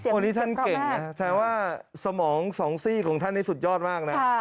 ก็นี่ท่านเก่งน่ะแถมว่าสมองของท่านสองสี่สุดยอดมากนะ